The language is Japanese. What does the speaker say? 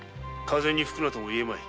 風に「吹くな」とも言えまい。